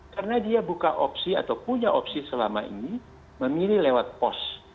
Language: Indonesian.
karena dia buka opsi atau punya opsi selama ini memilih lewat pos